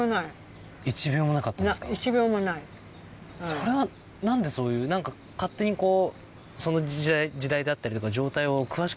それはなんでそういうなんか勝手にこう。